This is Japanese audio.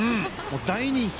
大人気。